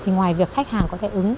ngoài việc khách hàng có thể ứng